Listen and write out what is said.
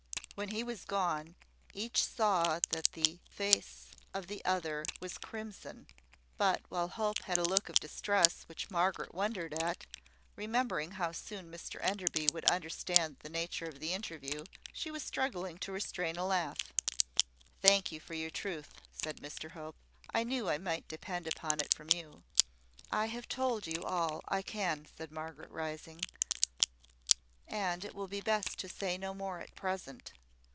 When he was gone, each saw that the face of the other was crimson: but while Hope had a look of distress which Margaret wondered at, remembering how soon Mr Enderby would understand the nature of the interview, she was struggling to restrain a laugh. "Thank you for your truth," said Mr Hope. "I knew I might depend upon it from you." "I have told you all I can," said Margaret rising; "and it will be best to say no more at present.